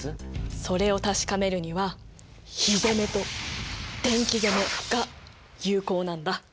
それを確かめるには火攻めと電気攻めが有効なんだ。